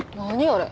あれ。